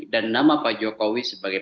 dan nama pak jokowi sebagai